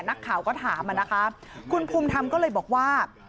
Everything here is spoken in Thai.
นักข่าวก็ถามคุณคุมธรรมก็เลยบอกว่า